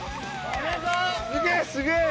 すげえ！